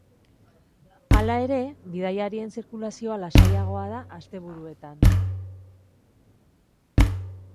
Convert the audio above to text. Hala ere, bidaiarien zirkulazioa lasaiagoa da asteburuetan.